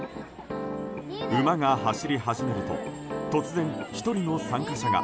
馬が走り始めると突然、１人の参加者が